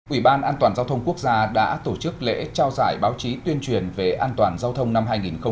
ủy ban an toàn giao thông quốc gia đã tổ chức lễ trao giải báo chí tuyên truyền về an toàn giao thông năm hai nghìn một mươi chín